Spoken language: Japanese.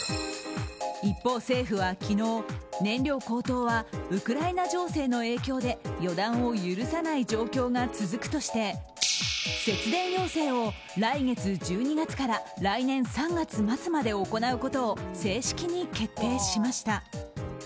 一方、政府は昨日、燃料高騰はウクライナ情勢の影響で予断を許さない状況が続くとして節電要請を来月１２月から来年３月末まで行うことを正式に決定しました。